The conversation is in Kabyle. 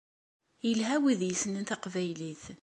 Yelha wid yessnen taqbaylit.